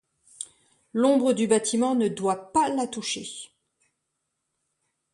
L'ombre du bâtiment ne doit pas la toucher.